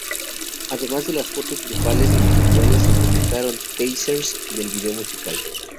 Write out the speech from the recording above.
Además de las fotos grupales e individuales, se publicaron "teasers" del vídeo musical.